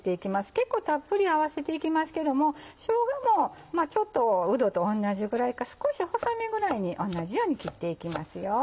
結構たっぷり合わせていきますけどもしょうがもちょっとうどと同じぐらいか少し細めぐらいに同じように切っていきますよ。